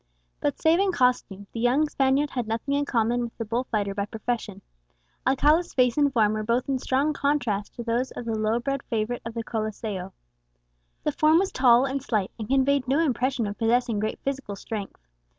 But, save in costume, the young Spaniard had nothing in common with the bull fighter by profession; Alcala's face and form were both in strong contrast to those of the low bred favourite of the Coliseo. The form was tall and slight, and conveyed no impression of possessing great physical strength.